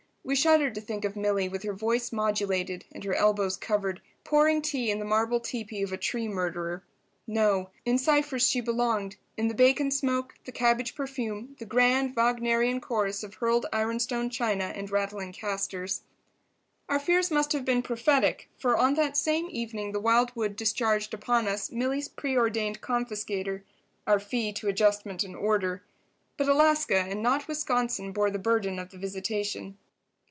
We shuddered to think of Milly, with her voice modulated and her elbows covered, pouring tea in the marble teepee of a tree murderer. No! In Cypher's she belonged—in the bacon smoke, the cabbage perfume, the grand, Wagnerian chorus of hurled ironstone china and rattling casters. Our fears must have been prophetic, for on that same evening the wildwood discharged upon us Milly's preordained confiscator—our fee to adjustment and order. But Alaska and not Wisconsin bore the burden of the visitation.